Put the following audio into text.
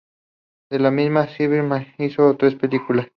De la misma, Cecil B. DeMille hizo tres películas.